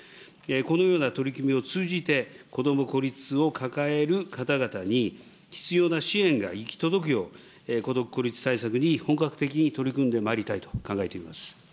このような取り決めを通じて、孤独・孤立を抱える方々に必要な支援が行き届くよう、孤独・孤立対策に本格的に取り組んでまいりたいと考えています。